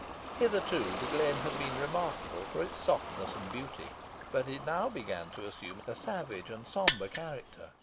] Hitherto, the glen had been remarkable for its softness and beauty, but it now began to assume a savage and sombre character.